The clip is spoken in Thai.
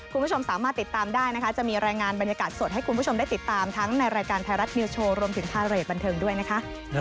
คุณผู้ชมสามารถติดตามได้นะคะจะมีรายงานบรรยากาศสดให้คุณผู้ชมได้ติดตามทั้งในรายการไทยรัฐนิวสโชว์รวมถึงพาเรทบันเทิงด้วยนะคะ